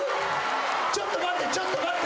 ちょっと待ってちょっと待って！